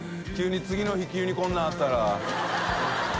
次の日急にこんなのあったら。